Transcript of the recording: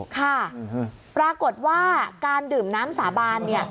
ค่ะปรากฏว่าการดื่มน้ำสาบาน